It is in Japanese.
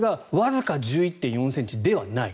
これがわずか１１．４ｃｍではない。